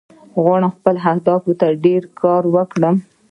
زه غواړم خپل هدف ته ډیر کار وکړم